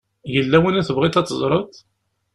Yella win i tebɣiḍ ad teẓṛeḍ?